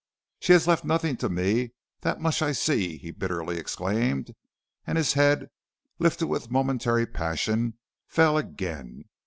"'She has left nothing to me, that much I see,' he bitterly exclaimed; and his head, lifted with momentary passion, fell again.